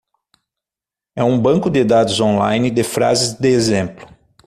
É um banco de dados online de frases de exemplo.